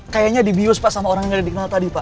kayaknya dibius pak sama orang yang tidak dikenal tadi pak